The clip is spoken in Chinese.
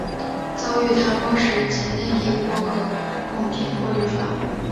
遇台风时仅内泊地可供停泊渔船。